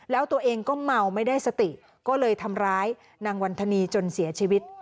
แล้วตัวเองก็เมาไม่ได้สติก็เลยทำร้ายนางวันธนีจนเสียชีวิต